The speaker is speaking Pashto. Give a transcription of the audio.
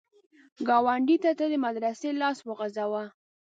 ګاونډي ته د مرستې لاس وغځوه